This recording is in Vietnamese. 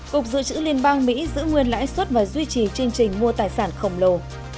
cục dự trữ liên bang mỹ giữ nguyên lãi suất và duy trì chương trình mua tài sản khổng lồ